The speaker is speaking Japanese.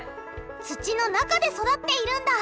土の中で育っているんだ！